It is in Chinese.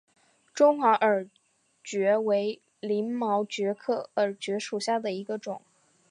中华耳蕨为鳞毛蕨科耳蕨属下的一个种。